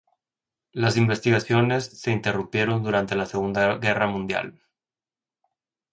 Las investigaciones se interrumpieron durante la Segunda Guerra Mundial.